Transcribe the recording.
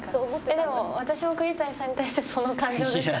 でも私も栗谷さんに対してその感情ですからね。